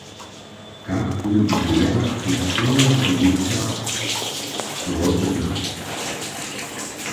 Kak bu ideja kulturneho lěća zrodźena?